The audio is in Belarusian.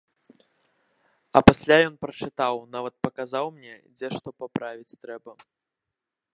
А пасля ён прачытаў, нават паказаў мне, дзе што паправіць трэба.